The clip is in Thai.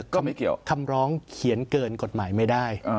ไม่เกี่ยวคำร้องเขียนเกินกฎหมายไม่ได้